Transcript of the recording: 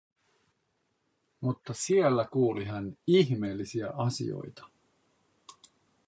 Mutta siellä kuuli hän ihmeellisiä asioita.